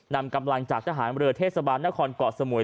นำกำลังจากทหารเรือเทศบาลนครเกาะสมุย